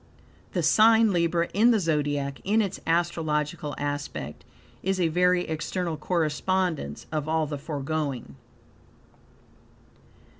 The sign Libra in the Zodiac, in its astrological aspect, is a very external correspondence of all the foregoing.